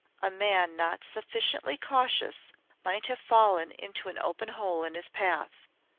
A man not sufficiently cautious might have fallen into any open hole in his path.